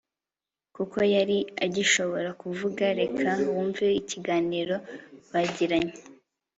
kuko yari agishobora kuvuga reka wumve ikiganiro bagiranye